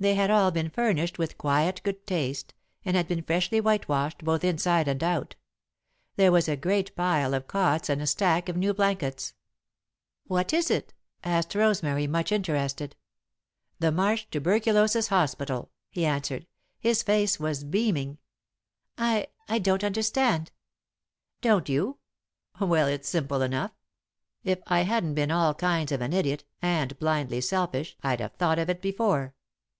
They had all been furnished with quiet good taste, and had been freshly whitewashed, both inside and out. There was a great pile of cots and a stack of new blankets. [Sidenote: The Hospital] "What is it?" asked Rosemary, much interested. "The Marsh Tuberculosis Hospital," he answered. His face was beaming. "I I don't understand." "Don't you? Well, it's simple enough. If I hadn't been all kinds of an idiot and blindly selfish I'd have thought of it before.